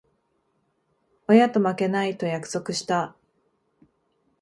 親と負けない、と約束した。